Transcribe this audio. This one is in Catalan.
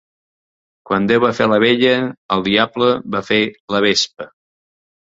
Quan Déu va fer l'abella, el diable va fer la vespa.